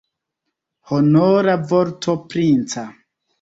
Honora vorto princa?